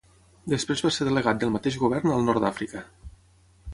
Després va ser delegat del mateix govern al Nord d'Àfrica.